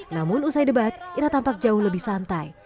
namun usai debat ira tampak jauh lebih santai